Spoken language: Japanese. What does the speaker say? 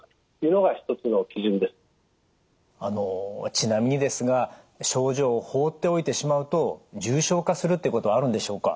ちなみにですが症状を放っておいてしまうと重症化するということはあるんでしょうか？